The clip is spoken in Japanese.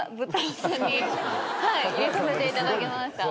入れさせていただきました。